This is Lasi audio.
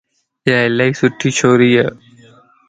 ايا الائي سھڻي ڇوريَ